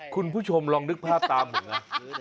คุณผู้ชมลองนึกภาพตามผมนะ